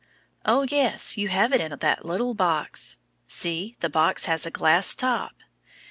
Oh, yes, you have it in that little box. See, the box has a glass top.